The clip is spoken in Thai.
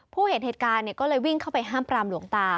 เห็นเหตุการณ์ก็เลยวิ่งเข้าไปห้ามปรามหลวงตา